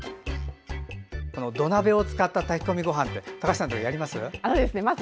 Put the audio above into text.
土鍋を使った炊き込みごはんって高橋さん、やります？